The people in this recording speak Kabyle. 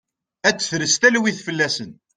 Ad d-tres talwit fell-awen.